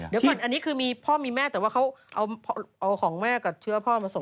เดี๋ยวก่อนอันนี้คือมีพ่อมีแม่แต่ว่าเขาเอาของแม่กับเชื้อพ่อมาส่ง